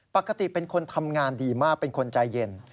ปกติเป็นคนทำงานดีมากเป็นคนใจเย็น